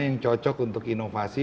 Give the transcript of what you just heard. yang cocok untuk inovasi